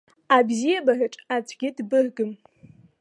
Абзиабараҿ аӡәгьы дбыргым.